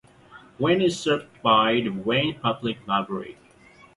Wayne is served by the Wayne Public Library.